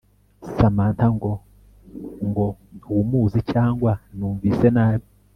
Samantha ngo Ngo ntumuzi Cyangwa numvise nabi